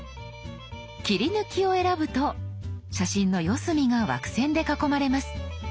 「切り抜き」を選ぶと写真の四隅が枠線で囲まれます。